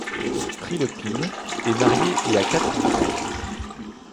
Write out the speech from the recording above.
Prilepine est marié et a quatre enfants.